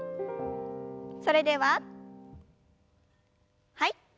それでははい。